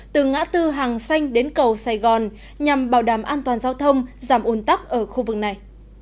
từ ngã tư hàng xanh đến cầu sài gòn nhằm bảo đảm an toàn giao thông giảm ồn tắc ở khu vực này